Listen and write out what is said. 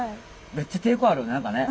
めっちゃ抵抗あるよね何かね。